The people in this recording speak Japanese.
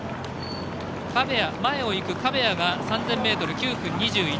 前をいく壁谷が３０００ｍ９分２１。